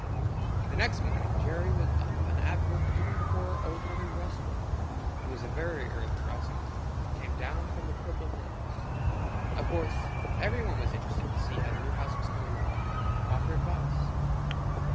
The next morning Jerry was up and at work even before Old Mother West Wind, who is a very early riser, came down from the Purple Hills. Of course every one was interested to see how the new house was coming along and to offer advice.